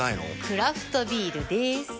クラフトビールでーす。